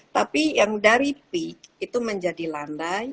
tapi yang dari peak itu menjadi landai